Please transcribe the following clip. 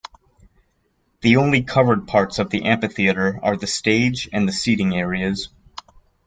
The only covered parts of the amphitheatre are the stage and the seating areas.